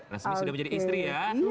resmi sudah menjadi istri ya